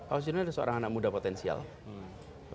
agus yudhoyono adalah seorang anak muda potongan